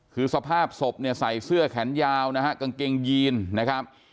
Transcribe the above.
คือสภาพศพเนี่ยใส่เสื้อแขนยาวนะฮะกางเกงยีนนะครับ